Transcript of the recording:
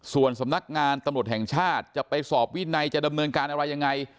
ส่วนสำนักงานตำรวจแห่งชาติจะไปสอบวินัยจะดำเนินการอะไรยังไง